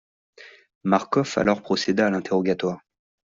Marcof alors procéda à l'interrogatoire.